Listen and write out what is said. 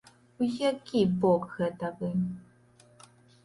У які бок гэта вы?